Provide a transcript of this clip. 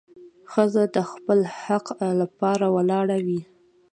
ښځه د خپل حق لپاره ولاړه وي.